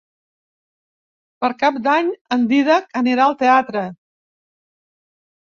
Per Cap d'Any en Dídac anirà al teatre.